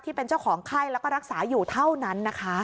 ที่เป็นเจ้าของไข้แล้วก็รักษาอยู่เท่านั้นนะคะ